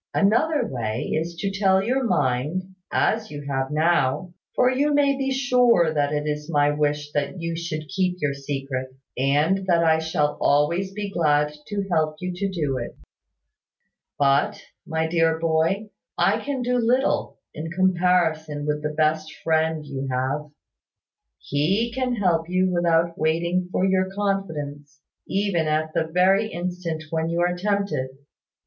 Another way is to tell me your mind, as you have now; for you may be sure that it is my wish that you should keep your secret, and that I shall always be glad to help you to do it. "But, my dear boy, I can do but little, in comparison with the best Friend you have. He can help you without waiting for your confidence, even at the very instant when you are tempted.